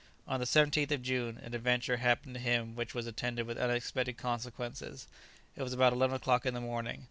On the 17th of June an adventure happened to him which was attended with unexpected consequences. It was about eleven o'clock in the morning.